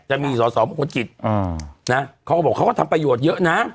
จะมีสอสอมงคลกิจนะเขาก็บอกเขาก็ทำประโยชน์เยอะนะ